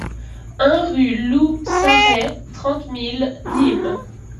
un rue Lou Sarraie, trente mille Nîmes